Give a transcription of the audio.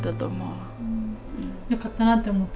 よかったなって思った。